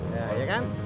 ya ya kan